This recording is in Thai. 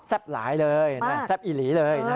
แซ่บหลายเลยแซ่บอิหรี่เลย